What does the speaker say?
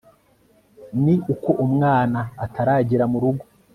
ni uko umwana ataragera mu rugo